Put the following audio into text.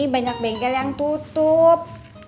banyak bengkel yang tutup